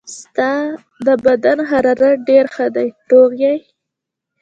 ستا د بدن حرارت ډېر ښه دی، روغ یې.